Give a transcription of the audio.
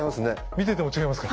見てても違いますか。